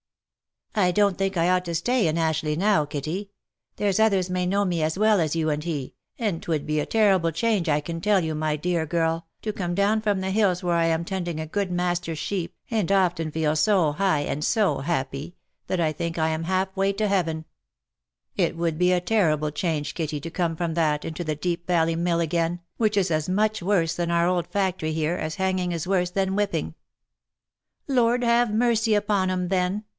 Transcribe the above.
" I don't think I ought to stay in Ashleigh now, Kitty ; there's others may know me as well as you and he, and 'twould be a terrible change, I can tell you, my dear girl, to come down from the hills where I am tending a good master's sheep, and often feel so high and so happy, that I think I am halfway to heaven — it would be a terrible change, Kitty, to come from that, into the Deep Valley Mill again, which is as much worse than our old factory here, as hanging is worse than whipping !"" Lord have mercy upon 'em, then